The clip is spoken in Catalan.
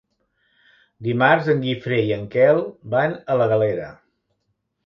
Dimarts en Guifré i en Quel van a la Galera.